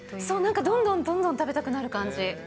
そう、なんかどんどんどんどん食べたくなる感じ。